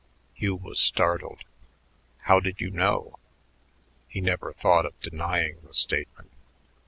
Hugh was startled. "How did you know?" He never thought of denying the statement.